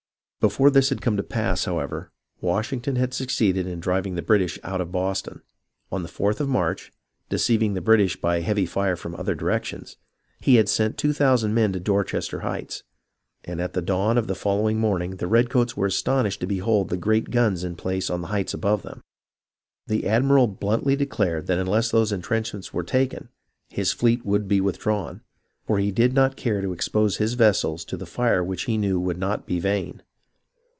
Before this had come to pass, however, Washington had succeeded in driving the British out of Boston. On the 4th of March, deceiving the British by the heavy fire from other directions, he had sent two thousand men to Dor chester Heights, and at the dawn of the following morn ing the redcoats were astonished to behold the great guns in place on the heights above them. The admiral bluntly declared that unless those intrench ments were taken his fleet would be withdrawn, for he did not care to expose his vessels to the fire which he knew would not be vain.